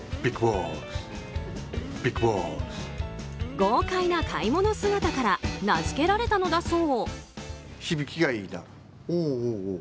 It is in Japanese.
豪快な買い物姿から名付けられたのだそう。